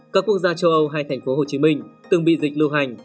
các quốc gia châu âu hay thành phố hồ chí minh từng bị dịch lưu hành